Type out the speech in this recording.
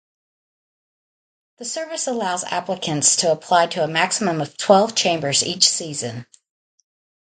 The service allows applicants to apply to a maximum of twelve chambers each season.